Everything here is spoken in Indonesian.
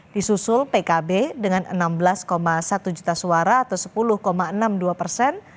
disusul pkb dengan enam belas satu juta suara atau sepuluh enam puluh dua persen